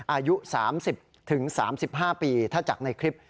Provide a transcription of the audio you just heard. อายุ๓๐๓๕ปีถ้าจากในคลิป